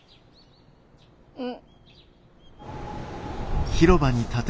うん。